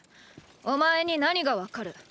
お前に何がわかる。